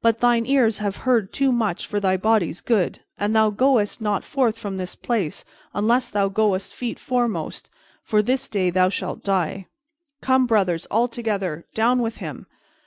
But thine ears have heard too much for thy body's good, and thou goest not forth from this place unless thou goest feet foremost, for this day thou shalt die! Come, brothers, all together! Down with him!"